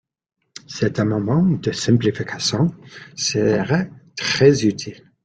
Cet amendement de simplification serait très utile.